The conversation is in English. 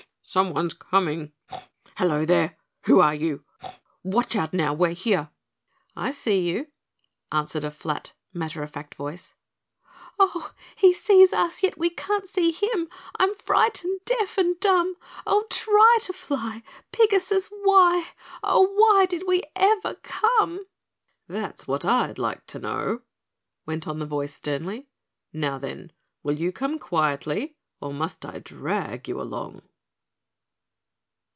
Someone's coming. Hello, there. Who are you? Watch out now, we're here." "I see you," answered a flat, matter of fact voice. "Oh! He sees us yet we can't see him, I'm frightened deaf and dumb, Oh, try to fly, Pigasus, why Oh why'd we ever come?" "That's what I'd like to know," went on the voice sternly. "Now, then, will you come quietly or must I drag you along?"